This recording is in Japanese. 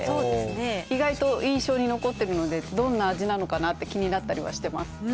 意外と印象に残ってるので、どんな味なのかなって気になったりはしてます。